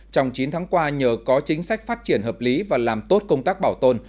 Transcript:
trong chín tháng qua nhờ có chính sách phát triển hợp lý và làm tốt công tác bảo tồn